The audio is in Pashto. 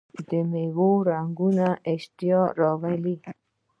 د میوو رنګونه اشتها راوړي.